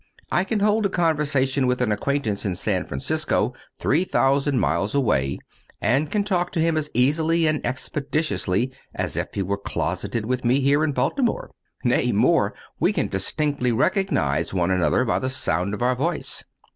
I can hold a conversation with an acquaintance in San Francisco, three thousand miles away, and can talk to him as easily and expeditiously as if he were closeted with me here in Baltimore. Nay more, we can distinctly recognize one another by the sound of our voice.